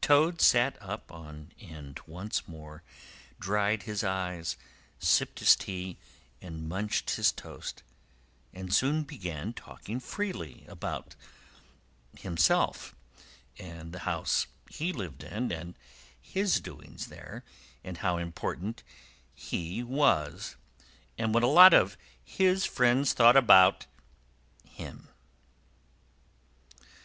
Toad sat up on end once more, dried his eyes, sipped his tea and munched his toast, and soon began talking freely about himself, and the house he lived in, and his doings there, and how important he was, and what a lot his friends thought of him.